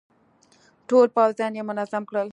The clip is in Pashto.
ټول پوځيان يې منظم کړل.